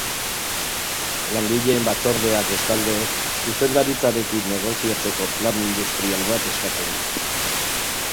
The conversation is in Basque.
Langileen batzordeak bestalde zuzendaritzarekin negoziatzeko plan industrial bat eskatzen du.